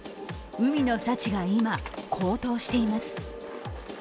海の幸が今、高騰しています。